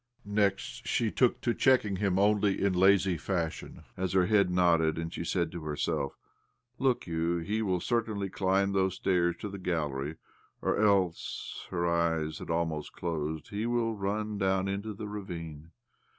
Next she took to checking him only in lazy fashion, as her head nodded and she said to herself :" Look you, he will I02 OBLOMOV certainly climb those stairs to the gallery, or else "— her eyes had almost closed —" he will run down into the ravine."